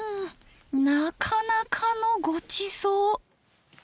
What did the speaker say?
なかなかのごちそう。